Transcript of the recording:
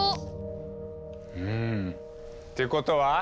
うん。ってことは。